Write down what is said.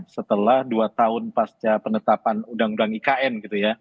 setelah dua tahun pasca penetapan undang undang ikn gitu ya